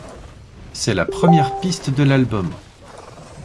C'est la première piste de l'album.